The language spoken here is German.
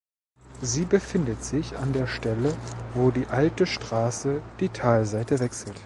Sie befindet sich an der Stelle, wo die alte Strasse die Talseite wechselt.